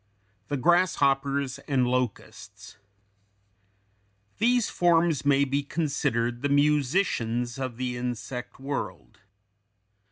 THE GRASSHOPPERS AND LOCUSTS These forms may be considered the musicians of the insect world.